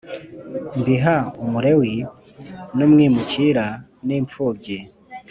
mbiha Umulewi n umwimukira n imfubyi